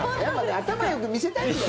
頭よく見せたいんだよ。